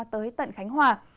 tới tận khánh hòa